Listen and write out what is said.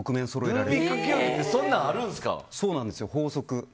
そうなんです、法則が。